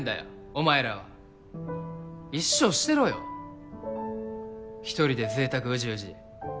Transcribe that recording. お前らは。一生してろよ１人で贅沢うじうじ。